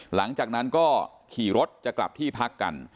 หลังจากนั้นก็ขี่รถจะกลับที่พักกัน